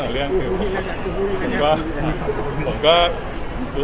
เรื่อย